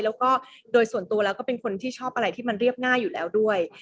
แล้วก็โดยส่วนตัวแล้วก็เป็นคนที่ชอบอะไรที่มันเรียบง่ายอยู่แล้วด้วย